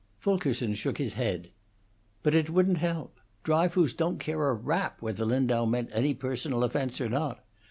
Fulkerson shook his head. "But it wouldn't help. Dryfoos don't care a rap whether Lindau meant any personal offence or not.